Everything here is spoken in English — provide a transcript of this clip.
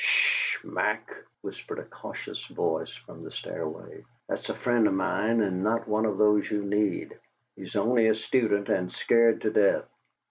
"'SH, Mack!" whispered a cautious voice from the stairway. "That's a friend of mine and not one of those you need. He's only a student and scared to death."